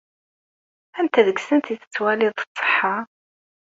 Anta deg-sent ay tettwaliḍ tṣeḥḥa?